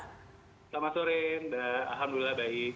selamat sore alhamdulillah baik